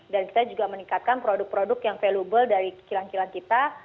dan kita juga meningkatkan produk produk yang valuable dari kilang kilang kita